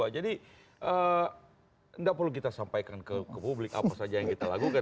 jadi nggak perlu kita sampaikan ke publik apa saja yang kita lakukan